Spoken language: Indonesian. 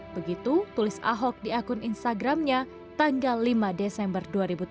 begitu tulis ahok di akun instagramnya tanggal lima desember dua ribu tujuh belas